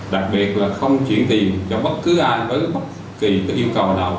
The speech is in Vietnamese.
đặc biệt là không chuyển tiền cho bất cứ ai tới bất kỳ yêu cầu nào